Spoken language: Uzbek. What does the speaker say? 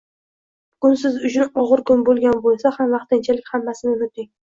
bugun siz uchun og‘ir kun bo‘lgan bo‘lsa ham, vaqtinchalik hammasini unuting